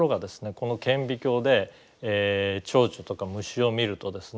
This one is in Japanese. この顕微鏡でチョウチョとか虫を見るとですね